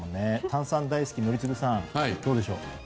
炭酸大好き宜嗣さんどうでしょう？